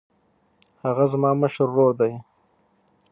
هغه زما مشر ورور دی